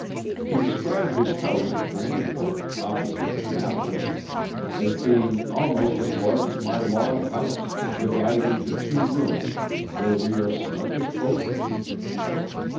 He described his house at Granville, opposite Annapolis, as being 'almost as large as my log house, divided into two rooms, where we are snug as pokers.'